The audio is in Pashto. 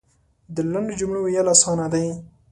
د لنډو جملو ویل اسانه دی .